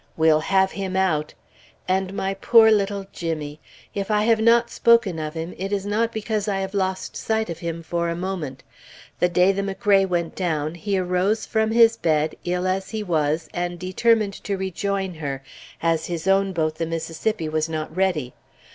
We'll have him out. And my poor little Jimmy! If I have not spoken of him, it is not because I have lost sight of him for a moment. The day the McRae went down, he arose from his bed, ill as he was, and determined to rejoin her, as his own boat, the Mississippi, was not ready.